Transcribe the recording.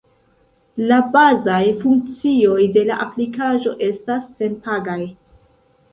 La bazaj funkcioj de la aplikaĵo estas senpagaj.